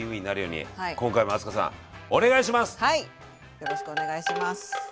よろしくお願いします。